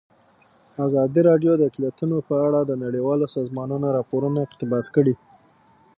ازادي راډیو د اقلیتونه په اړه د نړیوالو سازمانونو راپورونه اقتباس کړي.